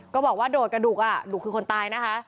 ก็บอกว่าโดดกระดูกดุคือคนตายนะคะ